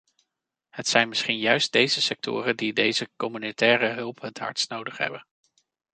Het zijn misschien juist deze sectoren die deze communautaire hulp het hardst nodig hebben.